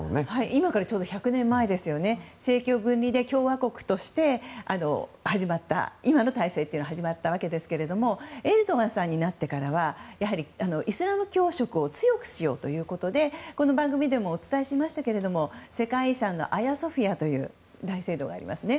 今からちょうど１００年前政教分離で共和国として今の体制が始まったわけですがエルドアンさんになってからはイスラム教色を強くしようということでこの番組でもお伝えしましたが世界遺産のアヤソフィアという大聖堂がありますよね。